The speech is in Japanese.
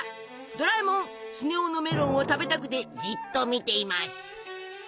ドラえもんスネ夫のメロンを食べたくてじっと見ています。